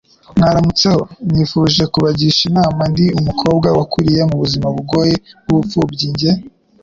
Mwaramutseho nifuje kubagisha inama, ndi umukobwa wakuriye mubuzima bugoye bw'ubupfubyi njye